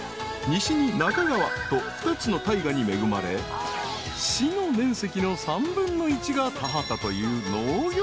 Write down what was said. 西に中川と２つの大河に恵まれ市の面積の３分の１が田畑という農業王国］